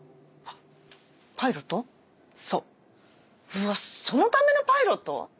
うわそのためのパイロット？